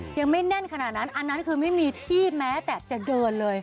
ยังไม่แน่นขนาดนั้นอันนั้นคือไม่มีที่แม้แต่จะเดินเลย